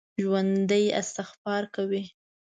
ژوندي استغفار کوي